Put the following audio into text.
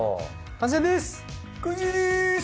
完成です。